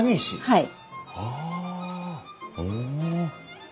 はい。